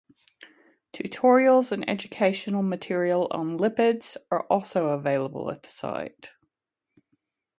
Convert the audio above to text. Tutorials and educational material on lipids are also available at the site.